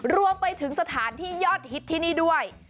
รวมไปถึงสถานที่ยอดฮิตที่นี่ด้วย